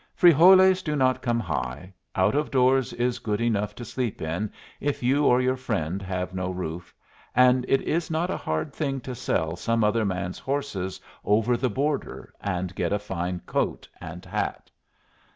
Frijoles do not come high, out of doors is good enough to sleep in if you or your friend have no roof, and it is not a hard thing to sell some other man's horses over the border and get a fine coat and hat.